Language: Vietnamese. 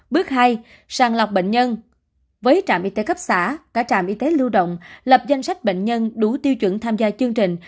bước hai sàng lọc bệnh nhân với trạm y tế cấp xã cả trạm y tế lưu động lập danh sách bệnh nhân đủ tiêu chuẩn tham gia chương trình